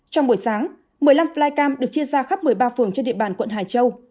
trong buổi sáng một mươi năm flycam được chia ra khắp một mươi ba phường trên địa bàn quận hải châu